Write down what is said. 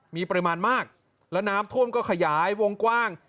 มีปริมาณมากแล้วน้ำท่วมก็ขยายวงกว้าง